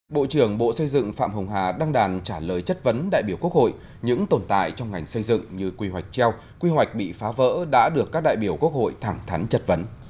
bộ trưởng bộ xây dựng phạm hồng hà đăng đàn trả lời chất vấn đại biểu quốc hội những tồn tại trong ngành xây dựng như quy hoạch treo quy hoạch bị phá vỡ đã được các đại biểu quốc hội thẳng thắn chất vấn